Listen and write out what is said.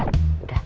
udah udah udah